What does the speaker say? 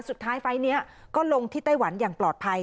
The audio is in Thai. ไฟล์นี้ก็ลงที่ไต้หวันอย่างปลอดภัย